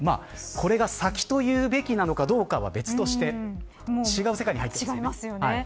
これが先というべきなのかは別として違う世界に入っていますよね。